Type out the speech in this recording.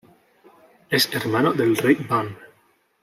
Es hermano del rey Ban.